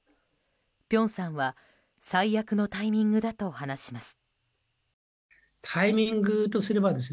辺さんは最悪のタイミングだと話します。